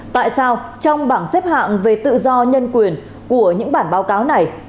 tại sao trong bảng xếp hạng về tự do nhân quyền của những bản báo cáo này